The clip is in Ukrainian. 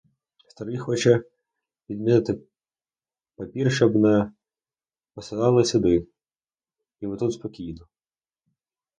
Старий хоче підмінити папір, щоб не посилали сюди, ніби тут спокійно.